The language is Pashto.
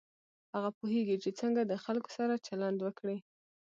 هغه پوهېږي چې څنګه د خلکو سره چلند وکړي.